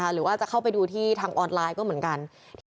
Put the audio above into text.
หรือว่าจะเข้าไปดูที่ทางออนไลน์ก็เหมือนกัน